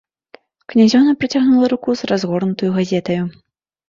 Князёўна працягнула руку з разгорнутаю газетаю.